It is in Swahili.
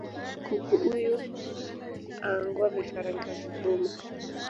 Kuku uyu aangua vifaranga vibuma